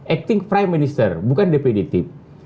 acting prime minister bukan definitif